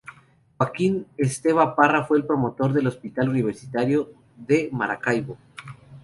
Joaquín Esteva Parra fue el promotor del Hospital Universitario de Maracaibo.